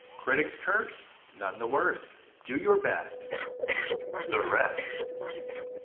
Critics curse—none the worse! Do your best— —— the rest!" XI.